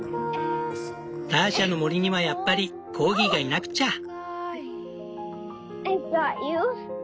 ターシャの森にはやっぱりコーギーがいなくっちゃ！